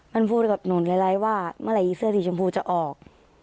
มันพูดกับหนูหลายว่าเมื่อไหร่เสื้อสีชมพูจะออก